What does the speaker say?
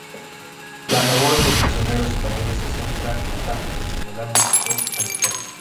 La labor de los misioneros españoles se centra en Zambia en el ámbito sanitario.